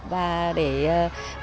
và để giúp đỡ phần nào cuộc sống của các em